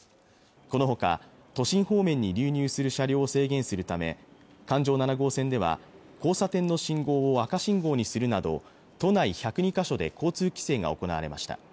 このほか都心方面に流入する車両を制限するため環状七号線では交差点の信号を赤信号にするなど都内１０２か所で交通規制が行われました